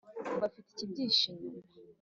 bifite ikibyihishe inyuma.